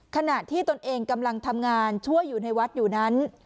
ขณะที่ตนเองกำลังทำงานช่วยอยู่ในวัดอยู่นั้น